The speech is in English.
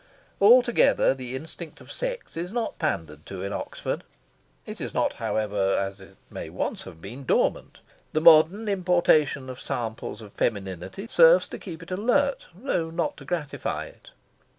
Altogether, the instinct of sex is not pandered to in Oxford. It is not, however, as it may once have been, dormant. The modern importation of samples of femininity serves to keep it alert, though not to gratify it.